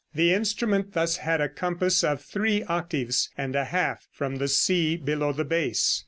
The instrument thus had a compass of three octaves and a half from the C below the bass.